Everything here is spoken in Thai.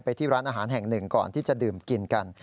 ที่ร้านอาหารแห่งหนึ่งก่อนที่จะดื่มกินกัน